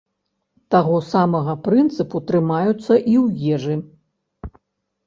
Таго самага прынцыпу трымаюцца і ў ежы.